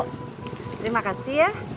terima kasih ya